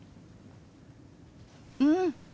うん！